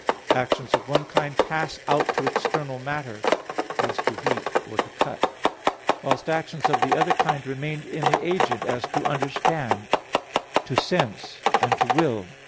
Actions of one kind pass out to external matter, as to heat or to cut; whilst actions of the other kind remain in the agent, as to understand, to sense and to will.